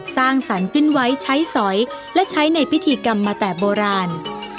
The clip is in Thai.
สร้างสรรค์ขึ้นไว้ใช้สอยและใช้ในพิธีกรรมมาแต่โบราณ